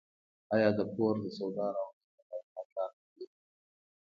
آیا د کور د سودا راوړل د نارینه کار نه دی؟